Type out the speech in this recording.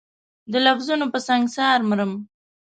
د لفظونو په سنګسار مرم